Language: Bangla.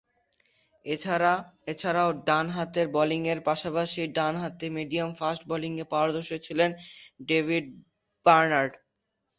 এছাড়াও, ডানহাতে ব্যাটিংয়ের পাশাপাশি ডানহাতে মিডিয়াম-ফাস্ট বোলিংয়ে পারদর্শী ছিলেন ডেভিড বার্নার্ড।